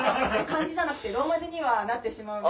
漢字じゃなくてローマ字にはなってしまう。